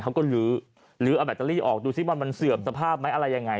ลื้อลื้อเอาแบตเตอรี่ออกดูซิว่ามันเสื่อมสภาพไหมอะไรยังไง